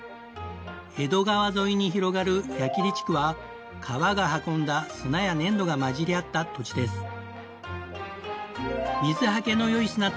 江戸川沿いに広がる矢切地区は川が運んだ砂や粘土が混じり合った土地です。